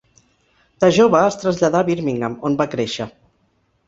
De jove es traslladà a Birmingham, on va créixer.